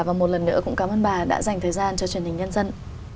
và một lần nữa cũng cảm ơn bà đã dành thời gian cho truyền hình nhân dân